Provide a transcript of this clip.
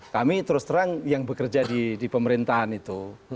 kami terus terang yang bekerja di pemerintahan itu